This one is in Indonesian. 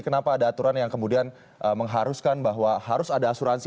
kenapa ada aturan yang kemudian mengharuskan bahwa harus ada asuransi